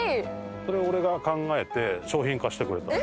それ俺が考えて商品化してくれたの。